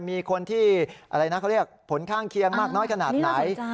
มีคนที่อะไรนะเขาเรียกผลข้างเคียงมากน้อยขนาดไหน